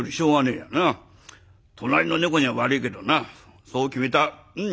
隣の猫には悪いけどなそう決めた。